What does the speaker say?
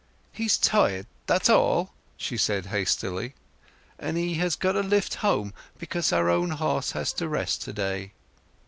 "He's tired, that's all," she said hastily, "and he has got a lift home, because our own horse has to rest to day."